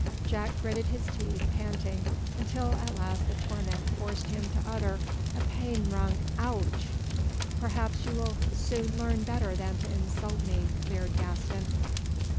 Jack gritted his teeth, panting, until at last the torment forced him to utter a pain wrung "ouch!" "Perhaps you will soon learn better than to insult me," leered Gaston.